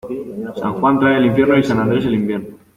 San Juan trae el infierno, y San Andrés el invierno.